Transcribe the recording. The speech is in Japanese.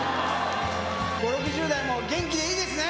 ５、６０代も元気でいいですね。